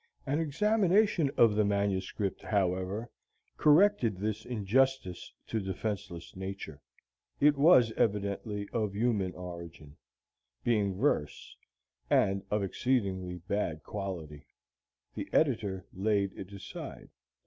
An examination of the manuscript, however, corrected this injustice to defenceless nature. It was evidently of human origin, being verse, and of exceeding bad quality. The editor laid it aside.